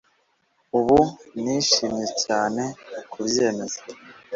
Ubu nishimiye cyane kubyemeza